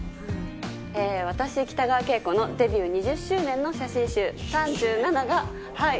私北川景子のデビュー２０周年の写真集『３７』が発売中です。